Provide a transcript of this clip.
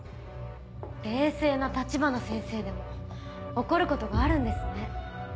冷静な立花先生でも怒ることがあるんですね。